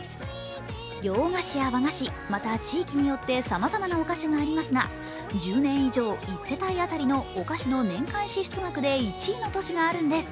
洋菓子や和菓子、また地域によってさまざまなお菓子がありますが、１０年以上、１世帯当たりのお菓子の年間支出額で１位の都市があるんです。